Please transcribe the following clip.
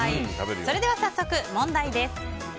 それでは早速、問題です。